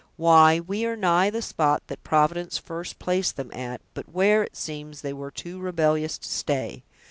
"Why, we are nigh the spot that Providence first placed them at, but where, it seems, they were too rebellious to stay.